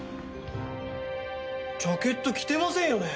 ジャケット着てませんよね？